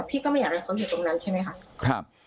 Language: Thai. พี่ก็ไม่อยากให้เขาอยู่ตรงนั้นใช่ไหมคะ